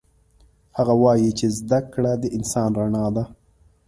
هغه وایي چې زده کړه د انسان رڼا ده